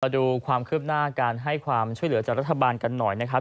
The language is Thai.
ดูความคืบหน้าการให้ความช่วยเหลือจากรัฐบาลกันหน่อยนะครับ